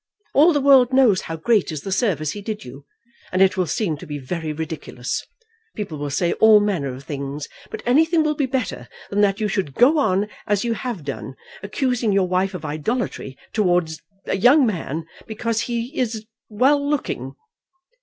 All the world knows how great is the service he did you, and it will seem to be very ridiculous. People will say all manner of things; but anything will be better than that you should go on as you have done, accusing your wife of idolatry towards a young man, because he is well looking."